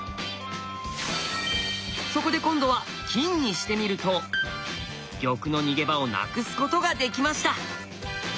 そこで今度は金にしてみると玉の逃げ場をなくすことができました！